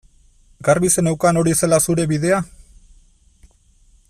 Garbi zeneukan hori zela zure bidea?